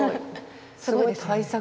すごい大作。